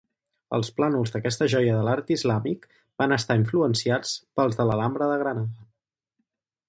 Els plànols d'aquesta joia de l'art islàmic van estar influenciats pels de l'Alhambra de Granada.